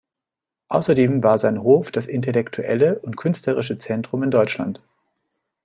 Außerdem war sein Hof das intellektuelle und künstlerische Zentrum in Deutschland.